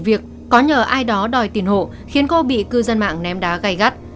việc có nhờ ai đó đòi tiền hộ khiến cô bị cư dân mạng ném đá cay gắt